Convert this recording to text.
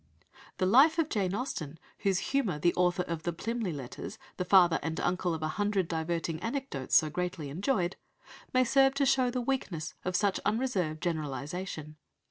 The life of Jane Austen, whose humour the author of the Plymley Letters, the father and uncle of a hundred diverting anecdotes, so greatly enjoyed, may serve to show the weakness of such unreserved generalization.